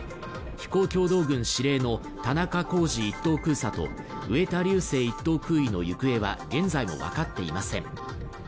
飛行教導群司令の田中公司１等空佐と植田竜生１等空尉の行方は現在も分かっていません